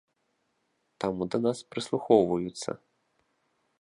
Таму да нас прыслухоўваюцца.